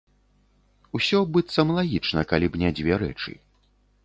Усё, быццам, лагічна, калі б не дзве рэчы.